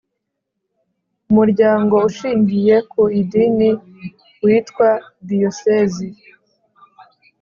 Umuryango Ushingiye ku Idini witwa Diyosezi